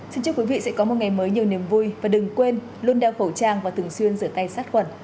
xin chúc quý vị sẽ có một ngày mới nhiều niềm vui và đừng quên luôn đeo khẩu trang và thường xuyên rửa tay sát khuẩn